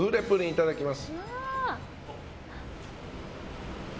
いただきます。